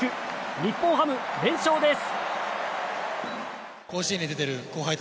日本ハム、連勝です。